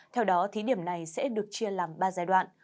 theo đó thí điểm này sẽ được chia làm ba giai đoạn